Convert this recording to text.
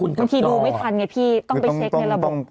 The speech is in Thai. บางทีดูไม่ทันไงพี่ต้องไปเช็คในระบบ